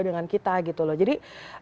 dengan kita jadi